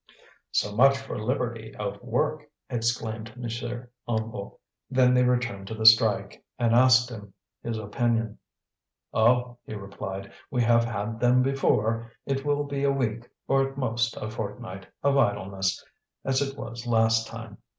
"So much for liberty of work!" exclaimed M. Hennebeau. Then they returned to the strike, and asked him his opinion. "Oh!" he replied, "we have had them before. It will be a week, or, at most, a fortnight, of idleness, as it was last time.